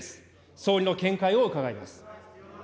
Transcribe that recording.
総理の見解を伺います。